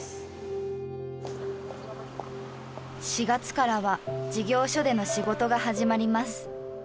４月からは事業所での仕事が始まります。